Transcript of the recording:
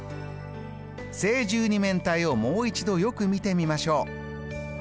正十二面体をもう一度よく見てみましょう。